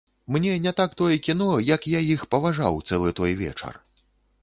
Мне не так тое кіно, як я іх паважаў цэлы той вечар.